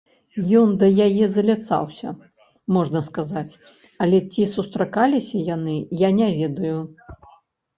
Ён да яе заляцаўся, можна сказаць, але ці сустракаліся яны, я не ведаю.